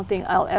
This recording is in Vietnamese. để thích thích